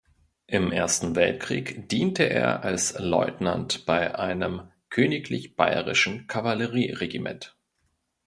Im Ersten Weltkrieg diente er als Leutnant bei einem Königlich Bayerischen Kavallerieregiment.